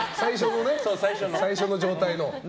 最初の状態の。